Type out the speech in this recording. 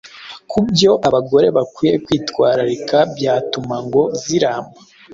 ku byo abagore bakwiye kwitwararika byatuma ingo ziramba